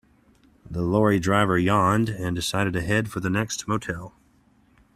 The lorry driver yawned and decided to head for the next motel.